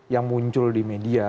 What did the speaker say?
yang muncul di media